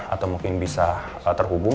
atau mungkin bisa terhubung